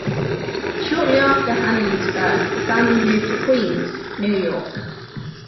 Shortly after Hanley's birth the family moved to Queens, New York.